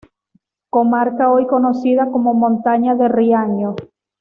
Comarca hoy conocida como Montaña de Riaño.